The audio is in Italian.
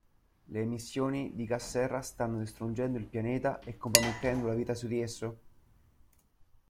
Le emissioni di gas serra stanno distruggendo il pianeta e compromettendo la vita su di esso?